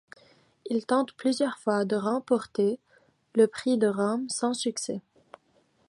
Il tente plusieurs fois de remporter le prix de Rome, sans succès.